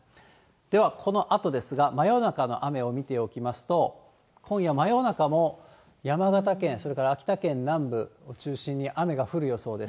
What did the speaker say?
ではこのあとですが、真夜中の雨を見ておきますと、今夜、真夜中も山形県、それから秋田県南部を中心に雨が降る予想です。